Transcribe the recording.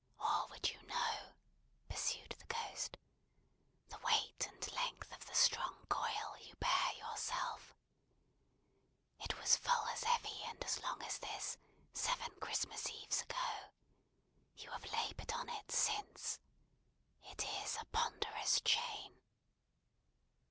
"Or would you know," pursued the Ghost, "the weight and length of the strong coil you bear yourself? It was full as heavy and as long as this, seven Christmas Eves ago. You have laboured on it, since. It is a ponderous chain!"